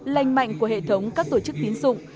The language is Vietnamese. lành mạnh của hệ thống các tổ chức tín dụng